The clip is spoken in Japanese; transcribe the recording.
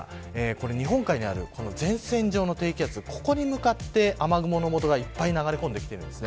日本海にある前線上の低気圧ここに向かって雨雲のもとがいっぱい流れ込んでいます。